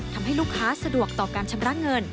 ทำให้ลูกค้าสะดวกต่อการชำระเงิน